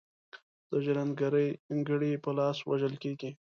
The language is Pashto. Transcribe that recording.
د ژرند ګړي په لاس وژل کیږي.